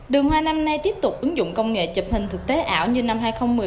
đường hoa năm nay tiếp tục ứng dụng công nghệ chụp hình thực tế ảo như năm hai nghìn một mươi tám